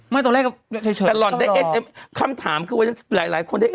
ไม่ตรงแรกเฉยเฉยแต่หล่อนได้คำถามคือว่าหลายหลายคนได้